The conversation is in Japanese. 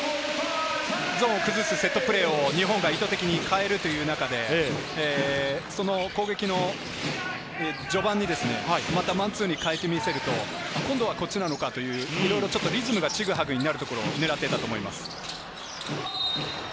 ゾーンを崩すセットプレーを日本が意図的に変える中で、攻撃の序盤にマンツーに変えてみせると、今度はこっちなのかとリズムがちぐはぐになるところを狙っているかと思います。